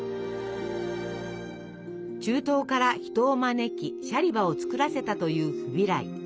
中東から人を招きシャリバを作らせたというフビライ。